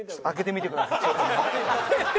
開けてみてください。